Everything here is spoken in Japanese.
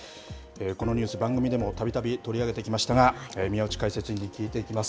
このニュース、番組でもたびたび取り上げてきましたが、宮内解説委員に聞いていきます。